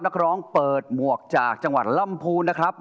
นักร้องเปิดหมวกจากจังหวัดลำพูนนะครับ